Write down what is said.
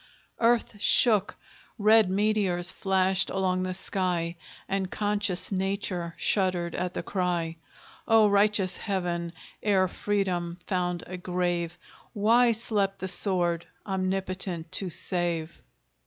Earth shook red meteors flashed along the sky, And conscious Nature shuddered at the cry! O righteous Heaven! ere Freedom found a grave, Why slept the sword, omnipotent to save?